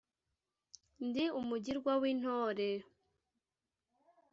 Ndi umugirwa w' intore